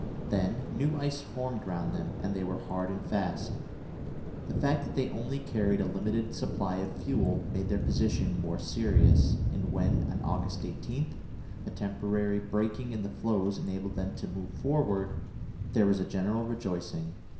Then new ice formed round them, and they were hard and fast. The fact that they only carried a limited supply of fuel made their position more serious, and when, on August 18, a temporary breaking in the floes enabled them to move forward, there was a general rejoicing.